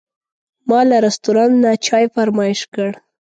ما له رستورانت نه چای فرمایش کړ.